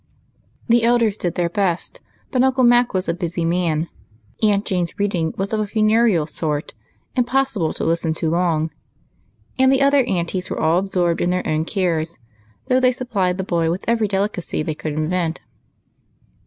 The elders did their best, but Uncle Mac was a busy man. Aunt Jane's reading was of a funereal sort, im possible to listen to long, and the other aunties were all absorbed in their own cares, though they supplied the boy with every delicacy they could invent.